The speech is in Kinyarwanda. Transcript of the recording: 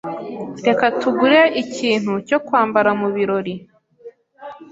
Reka tugure ikintu cyo kwambara mubirori.